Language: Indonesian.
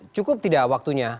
cukup tidak waktunya